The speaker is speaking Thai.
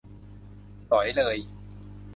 หรอยเลย